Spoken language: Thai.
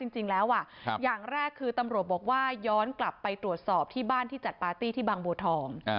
จริงแล้วอย่างแรกคือตำรวจบอกว่าย้อนกลับไปตรวจสอบที่บ้านที่จัดปาร์ตี้ที่บางบัวทอง